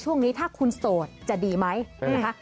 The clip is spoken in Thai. ช่วงนี้ถ้าคุณโสดจะดีไหมนะคะ